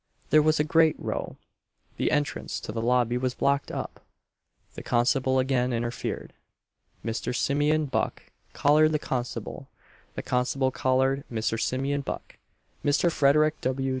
There was a great row; the entrance to the lobby was blocked up; the constable again interfered: Mr. Simeon Buck collared the constable; the constable collared Mr. Simeon Buck; Mr. Frederic W.